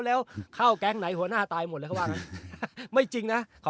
แล้วเข้าแก๊งไหนหัวหน้าตายหมดเลยเขาว่างั้นไม่จริงนะ